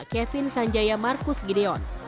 kevin sanjaya marcus gideon